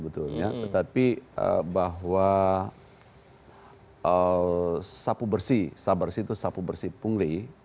tapi bahwa sabar bersih sabar bersih itu sabar bersih pungguli